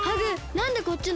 なんでこっちなの？